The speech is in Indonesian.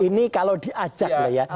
ini kalau diajak lah ya